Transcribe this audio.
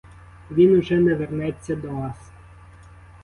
Він уже не вернеться до вас!